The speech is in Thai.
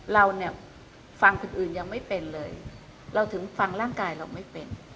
เราเนี่ยฟังคนอื่นยังไม่เป็นเลยเราถึงฟังร่างกายเราไม่เป็น